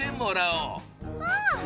うん。